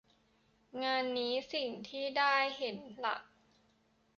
งานนี้สิ่งที่ได้เห็นหลัก